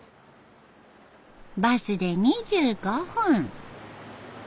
バスで２５分。